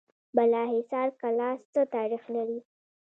بالاحصار کلا څه تاریخ لري؟